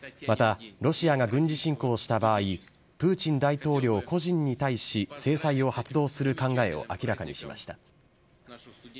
また、ロシアが軍事侵攻した場合、プーチン大統領個人に対し、制裁を発動する考えを明らかにしました。